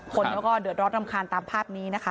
คนเขาก็เดือดร้อนรำคาญตามภาพนี้นะคะ